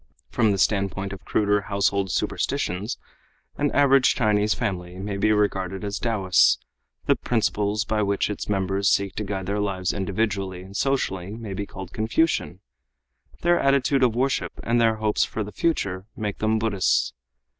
From the standpoint of cruder household superstitions an average Chinese family may be regarded as Taoists; the principles by which its members seek to guide their lives individually and socially may be called Confucian; their attitude of worship and their hopes for the future make them Buddhists.